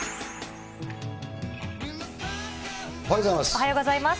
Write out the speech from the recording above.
おはようございます。